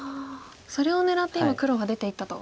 それを狙って今黒が出ていったと。